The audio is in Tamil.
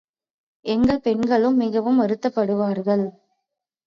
எங்கள் பெண்களும் மிகவும் வருத்தப்படுவார்கள்.